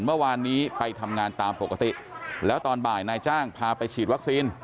เมื่อวานนี้ไปทำงานตามปกติแล้วตอนบ่ายนายจ้างพาไปฉีดวัคซีน